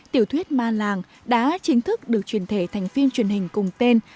tiểu thuyết ma làng đã chính thức được truyền thể thành phim truyền hình cùng tên